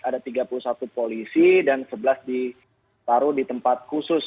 ada tiga puluh satu polisi dan sebelas ditaruh di tempat khusus